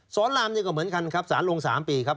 สอนรามนี่ก็เหมือนกันครับสารลง๓ปีครับ